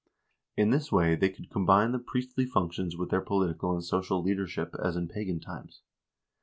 In this way they could combine the priestly functions with their political and social leadership, as in pagan times.